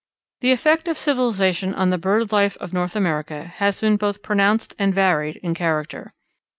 _ The effect of civilization on the bird life of North America has been both pronounced and varied in character.